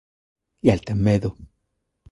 E el ten medo.